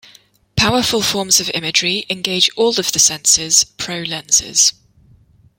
Powerful forms of imagery engage all of the senses pro lenses.